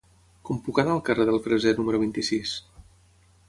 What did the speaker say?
Com puc anar al carrer del Freser número vint-i-sis?